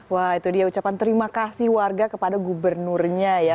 wah itu dia ucapan terima kasih warga kepada gubernurnya ya